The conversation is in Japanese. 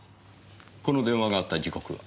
この電話があった時刻は？